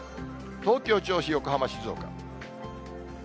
東京、銚子、横浜、静岡。